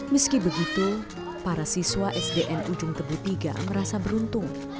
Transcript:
meski begitu para siswa sdn ujung tebu iii merasa beruntung